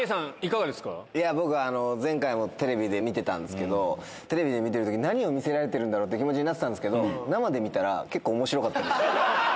いや僕、前回もテレビで見てたんですけど、テレビ見てるとき、何を見せられてるんだろうって気持ちになってたんですけど、生で見たら、結構おもしろかったです。